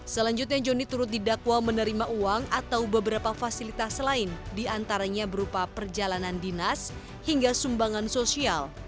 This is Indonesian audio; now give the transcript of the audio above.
selanjutnya joni turut didakwa menerima uang atau beberapa fasilitas lain diantaranya berupa perjalanan dinas hingga sumbangan sosial